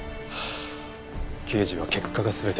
あ刑事は結果が全て。